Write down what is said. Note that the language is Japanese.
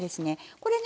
これね